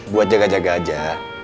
buat jaga jaga aja